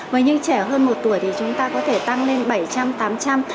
với những trẻ hơn một tuổi thì chúng ta có thể tăng lên bảy trăm linh tám trăm linh ml